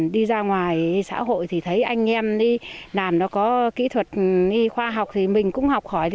đi ra ngoài xã hội thì thấy anh em làm nó có kỹ thuật khoa học thì mình cũng học hỏi được